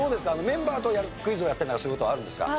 メンバーともクイズをやったりなんかする事はあるんですか？